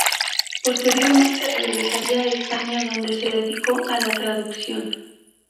Posteriormente regresaría a España, donde se dedicó a la traducción.